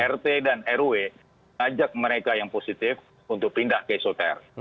rt dan rw mengajak mereka yang positif untuk pindah ke isoter